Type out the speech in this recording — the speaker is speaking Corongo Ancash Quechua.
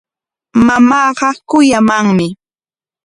Mamaaqa kuyamanmi.